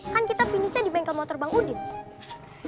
kan kita finishnya di bengkel motor bang udah ya